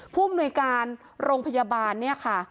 ผู้บริการโรงพยาบาลเนี่ยค่ะ